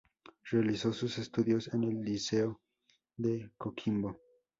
Realizó sus estudios en el Liceo de Coquimbo.